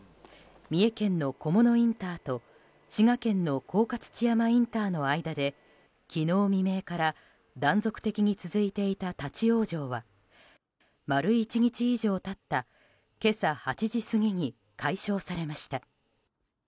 三重県の菰野インターと滋賀県の甲賀土山インターの間で昨日未明から断続的に続いていた立ち往生は丸１日以上経った今朝８時過ぎに解消されました。